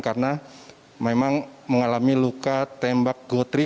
karena memang mengalami luka tembak gotri